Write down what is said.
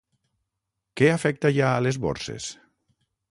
Què afecta ja a les borses?